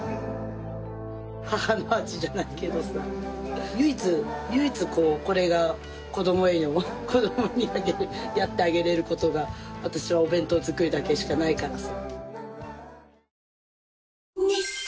母の味じゃないけどさ唯一こうこれが子供への子供にやってあげられる事が私はお弁当作りだけしかないからさ。